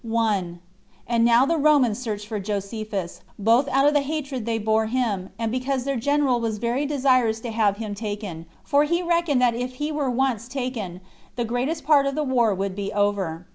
1. And now the Romans searched for Josephus, both out of the hatred they bore him, and because their general was very desirous to have him taken; for he reckoned that if he were once taken, the greatest part of the war would be over.